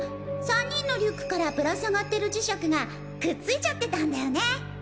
３人のリュックからぶら下がってる磁石がくっついちゃってたんだよね。